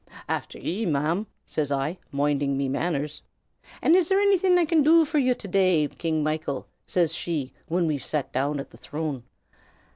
"'Afther ye, ma'm,' says I, moinding me manners. "'An' is there annythin' I can du for ye, to day, King Michael?' says she, whin we've sat down an the throne.